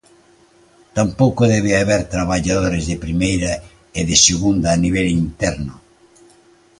Tampouco debe haber traballadores de primeira e de segunda a nivel interno.